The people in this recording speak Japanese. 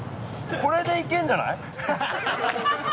これで行けるんじゃない？